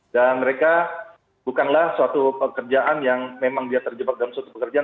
dan mereka bukanlah suatu pekerjaan yang memang dia terjebak dalam suatu pekerjaan